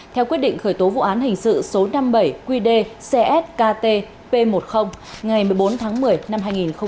theo quyết định khởi tố vụ án hình sự số năm mươi bảy qdcsktp một mươi ngày một mươi bốn tháng một mươi năm hai nghìn hai mươi một